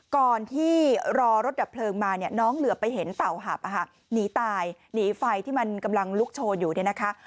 ก่อนที่รอรถดับเพลิงมาเนี่ยน้องเหลือไปเห็นเต่าหับหนีตายหนีไฟที่มันกำลังลุกโชนอยู่เนี่ยนะคะ